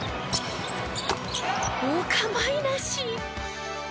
お構いなし！